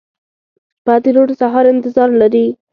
• شپه د روڼ سهار انتظار لري.